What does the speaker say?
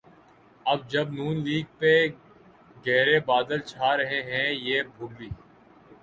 اب جب نون لیگ پہ گہرے بادل چھا رہے ہیں‘ یہ بھولی